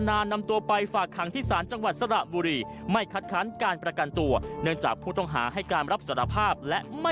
อารมณ์ชั่ววูบทำคนฆ่ากันอีกจนได้